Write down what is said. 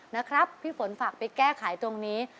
นะครับพี่ฝนฝากไปแก้ไขตรงนี้